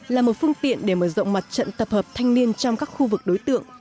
là một phương tiện để mở rộng mặt trận tập hợp thanh niên trong các khu vực đối tượng